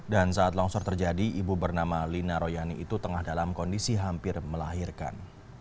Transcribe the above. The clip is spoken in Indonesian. dan saat longsor terjadi ibu bernama lina royani itu tengah dalam kondisi hampir melahirkan